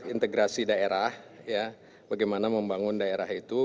integrasi daerah bagaimana membangun daerah itu